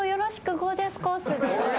ゴージャスコース。